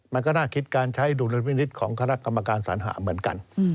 มันก็น่าคิดการใช้ดุลพินิษฐ์ของคณะกรรมการสัญหาเหมือนกัน